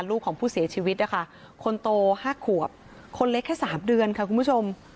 ลูกของผู้เสียชีวิตนะคะคนโต๕ขวบคนเล็กแค่สามเดือนค่ะคุณผู้ชม